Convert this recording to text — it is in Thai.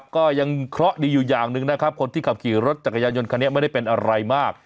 ก็ยังเคราะห์ดีอยู่อย่างหนึ่งนะครับคนที่ขับขี่รถจักรยานยนต์คันนี้ไม่ได้เป็นอะไรมาก